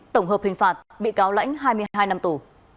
tổng hợp hình phạt bị cáo lãnh hai mươi hai năm tù